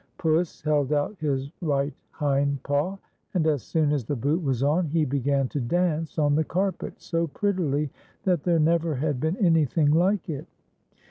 Puss held out his right hind paw, and as soon as the boot was on, he began to dance on the carpet so prettily that there never had been anything like it.